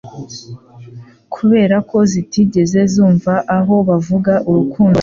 kubera ko zitigeze zumva aho bavuga urukundo rwa Kristo.